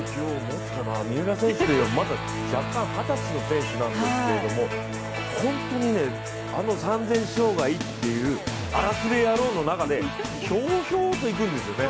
三浦選手は若干、二十歳の選手なんですけど本当に３０００障害という荒くれ野郎の中でひょうひょうといくんですよね。